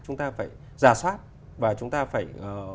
chúng ta phải giả soát và chúng ta phải